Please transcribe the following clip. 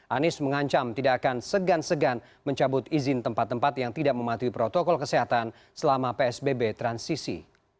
anies mengancam tidak akan segan segan mencabut izin tempat tempat yang tidak mematuhi protokol kesehatan selama psbb transisi